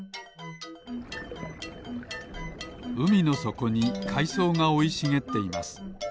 うみのそこにかいそうがおいしげっています。